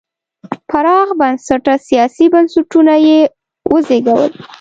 پراخ بنسټه سیاسي بنسټونه یې وزېږول.